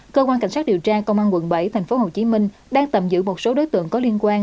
cơ quan cảnh sát điều tra công an quận bảy tp hcm đang tạm giữ một số đối tượng có liên quan